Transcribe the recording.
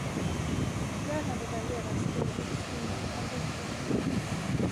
Tyvärr hade den redan stulits innan jag kom dit.